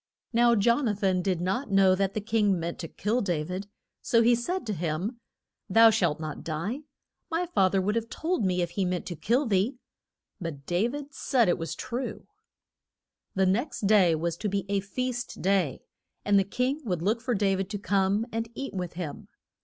Now Jon a than did not know that the king meant to kill Da vid, so he said to him, Thou shalt not die. My fath er would have told me if he meant to kill thee. But Da vid said it was true. The next day was to be a feast day, and the king would look for Dav id to come and eat with him.